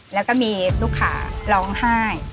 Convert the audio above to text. แล้วก็มีลูกค้าร้องไห้